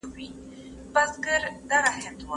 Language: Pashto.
زه اوس نان خورم!.